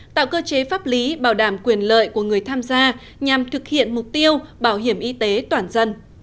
tạo cơ chế pháp lý bảo đảm quyền lợi của người tham gia nhằm thực hiện mục tiêu bảo hiểm y tế toàn dân